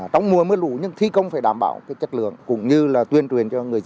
trong mùa mưa lũ nhưng thi công phải đảm bảo chất lượng